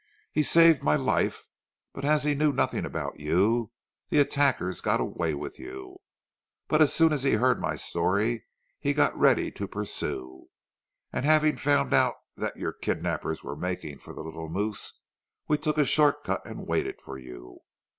He saved my life; but as he knew nothing about you, the attackers got away with you, but as soon as he heard my story he got ready to pursue, and having found out that your kidnappers were making for the Little Moose we took a short cut and waited for you.